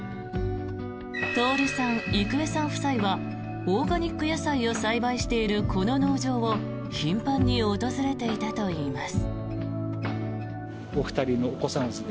徹さん・郁恵さん夫妻はオーガニック野菜を栽培しているこの農場を頻繁に訪れていたといいます。